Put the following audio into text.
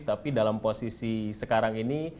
tapi dalam posisi sekarang ini